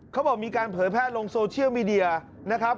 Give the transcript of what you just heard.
การเผยแพทย์ลงโซเชียลมีเดียนะครับ